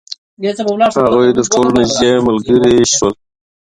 هغوی تر ټولو نژدې ملګري شول.